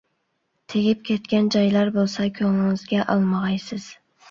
تېگىپ كەتكەن جايلار بولسا كۆڭلىڭىزگە ئالمىغايسىز.